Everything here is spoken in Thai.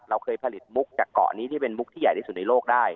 เราเคยผลิตมุกจากเกาะนี้ที่เป็นมุกที่ใหญ่ที่สุดในโลกได้